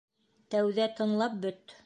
Тәүҙә тыңлап бөт.